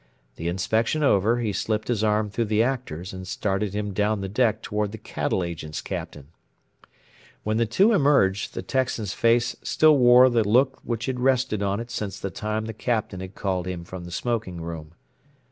The inspection over, he slipped his arm through the Actor's and started him down the deck toward the Cattle Agent's cabin. When the two emerged the Texan's face still wore the look which had rested on it since the time the Captain had called him from the smoking room.